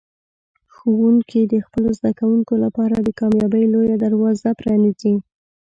ښوونکي د خپلو زده کوونکو لپاره د کامیابۍ لوی دروازه پرانیزي.